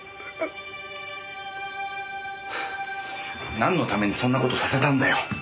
なんのためにそんな事させたんだよ？